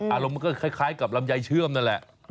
อารมณ์มันก็คล้ายกับลำไยเชื่อมนั่นแหละ